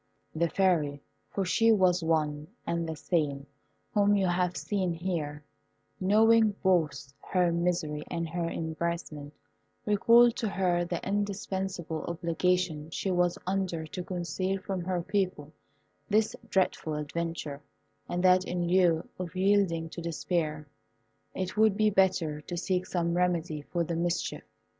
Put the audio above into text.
The Fairy (for she was one, and the same whom you have seen here), knowing both her misery and her embarrassment, recalled to her the indispensable obligation she was under to conceal from her people this dreadful adventure, and that in lieu of yielding to despair, it would be better to seek some remedy for the mischief.